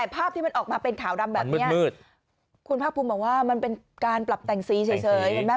ภาพที่มันออกมาเป็นขาวดำแบบมืดขุนภาคภูมิว่าว่ามันเป็นการปรับแต่งสีเฉย